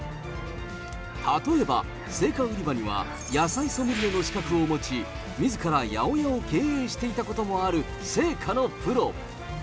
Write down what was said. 例えば、青果売り場には野菜ソムリエの資格を持ち、みずから八百屋を経営していたこともある青果のプロ。